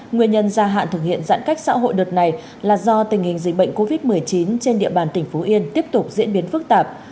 nguyên nhân gia hạn thực hiện giãn cách xã hội đợt này là do tình hình dịch bệnh covid một mươi chín trên địa bàn tỉnh phú yên tiếp tục diễn biến phức tạp